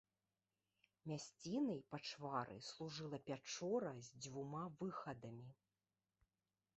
Мясцінай пачвары служыла пячора з двума выхадамі.